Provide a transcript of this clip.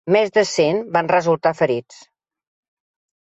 Més de cent van resultar ferits.